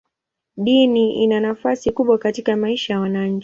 Dini ina nafasi kubwa katika maisha ya wananchi.